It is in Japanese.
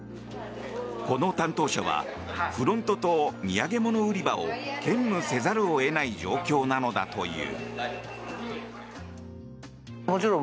この担当者はフロントと土産物売り場を兼務せざるを得ない状況なのだという。